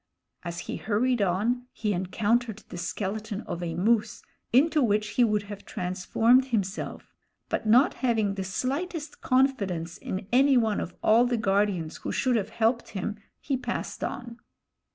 As he hurried on he encountered the skeleton of a moose, into which he would have transformed himself; but not having the slightest confidence in any one of all the guardians who should have helped him, he passed on.